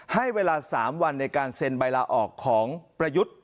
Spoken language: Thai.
ให้เวลา๓วันในการเซ็นใบลาออกของประยุทธ์